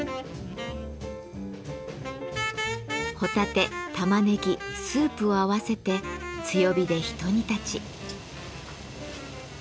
ホタテタマネギスープを合わせて強火でひと煮立ち。